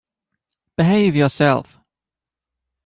Behave yourself!